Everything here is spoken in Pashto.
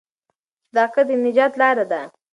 صداقت د نجات لار ده.